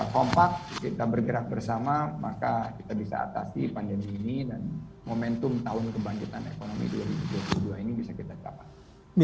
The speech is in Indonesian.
kompak kita bergerak bersama maka kita bisa atasi pandemi ini dan momentum tahun kebangkitan ekonomi dua ribu dua puluh dua ini bisa kita capai